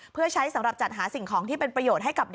เพื่อใช้สำหรับจัดหาสิ่งของที่เป็นประโยชน์ให้กับเด็ก